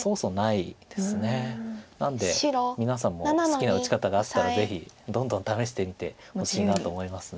好きな打ち方があったらぜひどんどん試してみてほしいなと思います。